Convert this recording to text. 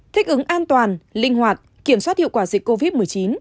thích ứng an toàn linh hoạt kiểm soát hiệu quả dịch covid một mươi chín